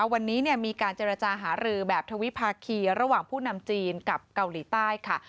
วันนี้มีการเจรจาหารือแบบทวิภาคีระหว่างผู้นำจีนกับเกาหลีใต้ค่ะ